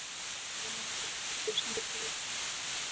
যেন আমার কাছে সব প্রশ্নের উত্তর আছে।